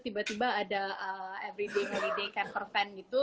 tiba tiba ada everyday everyday campervan gitu